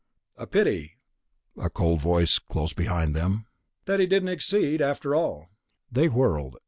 "A pity," a cold voice said close behind them, "that he didn't succeed, after all." They whirled.